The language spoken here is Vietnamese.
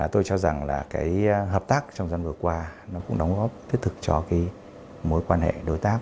tôi cho rằng là hợp tác trong dân vượt qua cũng đóng góp thiết thực cho mối quan hệ đối tác